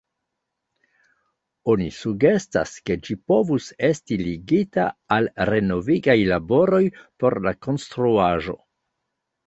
Oni sugestas, ke ĝi povus esti ligita al renovigaj laboroj por la konstruaĵo.